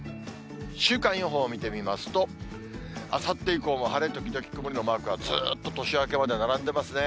週間予報見てみますと、あさって以降も晴れ時々曇りのマークがずーっと年明けまで並んでますね。